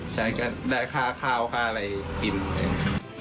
ใช้งานได้ฆ่าข้าวฆ่าอะไรกิน